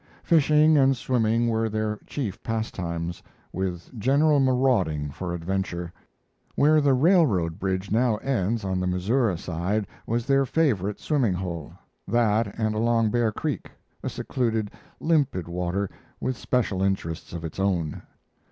Fishing and swimming were their chief pastimes, with general marauding for adventure. Where the railroad bridge now ends on the Missouri side was their favorite swimming hole that and along Bear Creek, a secluded limpid water with special interests of its own.